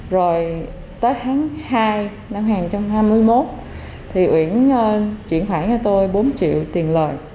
rồi tới tháng hai năm hai nghìn hai mươi một thì uyển chuyển khoản cho tôi bốn triệu tiền lời